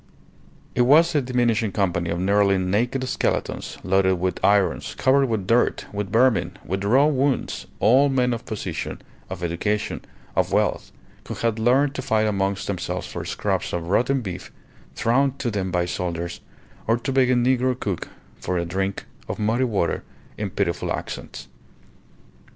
It was a diminishing company of nearly naked skeletons, loaded with irons, covered with dirt, with vermin, with raw wounds, all men of position, of education, of wealth, who had learned to fight amongst themselves for scraps of rotten beef thrown to them by soldiers, or to beg a negro cook for a drink of muddy water in pitiful accents.